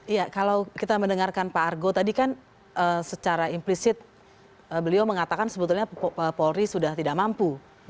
iya kalau kita mendengarkan pak argo tadi kan secara implisit beliau mengatakan sebetulnya polri sudah tidak mampu